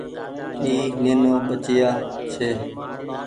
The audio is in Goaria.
اي نينو ٻچييآ ڇي۔